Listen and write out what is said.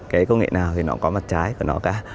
cái công nghệ nào thì nó cũng có mặt trái của nó cả